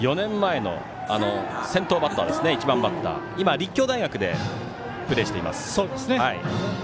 ４年前の先頭バッター１番バッター、今は立教大学でプレーしています。